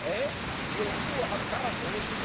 欲を張るからそういうことになる」。